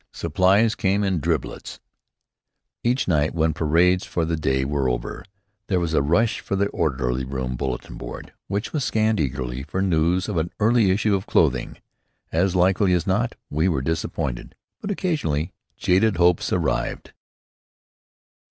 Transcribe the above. Supplies came in driblets. Each night, when parades for the day were over, there was a rush for the orderly room bulletin board, which was scanned eagerly for news of an early issue of clothing. As likely as not we were disappointed, but occasionally jaded hopes revived.